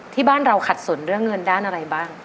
ที่บ้านเราขัดสนเรื่องเงินด้านอะไรบ้าง